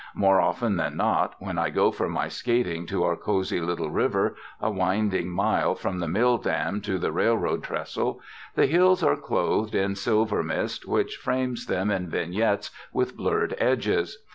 More often than not when I go for my skating to our cosy little river, a winding mile from the mill dam to the railroad trestle, the hills are clothed in silver mist which frames them in vignettes with blurred edges.